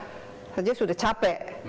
sebenarnya sudah capek